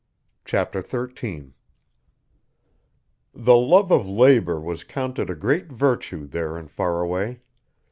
Chapter 13 The love of labour was counted a great virtue there in Faraway.